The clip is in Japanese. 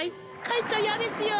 帰っちゃやですよ。